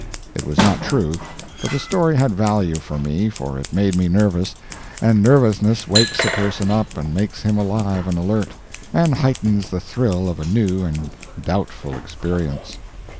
It was not true, but the story had value for me, for it made me nervous, and nervousness wakes a person up and makes him alive and alert, and heightens the thrill of a new and doubtful experience.